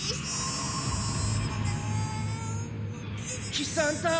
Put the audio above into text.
喜三太！